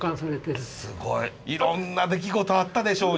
いろんな出来事あったでしょうに。